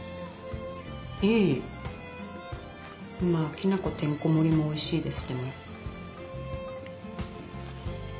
きな粉てんこ盛りもおいしいです。